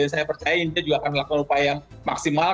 saya percaya indonesia juga akan melakukan upaya yang maksimal